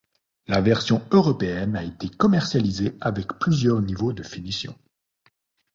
La version européenne a été commercialisée avec plusieurs niveaux de finition.